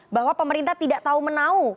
bahwa pemerintah tidak tahu menau